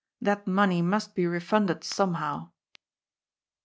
That money must be re funded somehow."